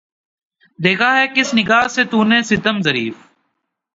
دیکھا ہے کس نگاہ سے تو نے ستم ظریف